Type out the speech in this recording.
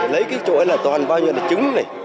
lấy cái chỗ là toàn bao nhiêu là trứng này